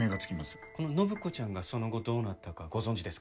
この展子ちゃんがその後どうなったかご存じですか？